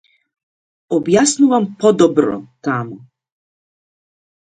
Објаснувам подробно таму - што значи автоматизација.